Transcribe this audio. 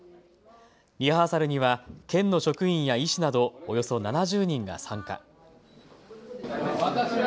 リハーサルには県の職員や医師など、およそ７０人が参加。